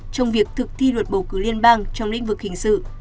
trong việc thực thi luật bầu cử liên bang trong lĩnh vực hình sự